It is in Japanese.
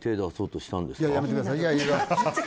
やめてください。